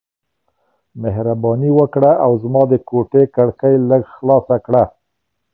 مهرباني وکړه او زما د کوټې کړکۍ لږ خلاص کړه.